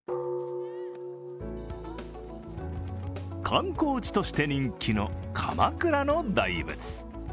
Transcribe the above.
観光地として人気の鎌倉の大仏。